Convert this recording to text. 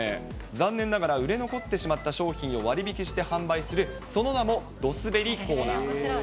残念ながら売れ残ってしまった商品を割引して販売する、その名もドすべりコーナー。